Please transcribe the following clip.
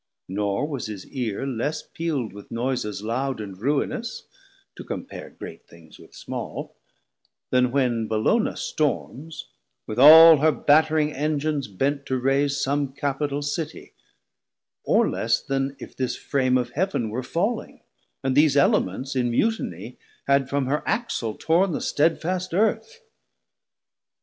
Nor was his eare less peal'd 920 With noises loud and ruinous (to compare Great things with small) then when Bellona storms, With all her battering Engines bent to rase Som Capital City, or less then if this frame Of Heav'n were falling, and these Elements In mutinie had from her Axle torn The stedfast Earth.